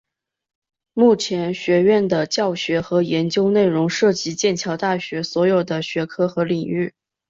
目前学院的教学和研究内容涉及剑桥大学所有学科的领域。